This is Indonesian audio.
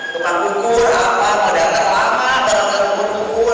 bukan kukur apa kedatang apa kemudian kemudian kukur